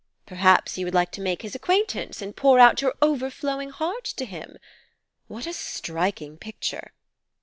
Perhaps you would like to make his acquaintance and pour out your overflowing heart to him? What a striking picture!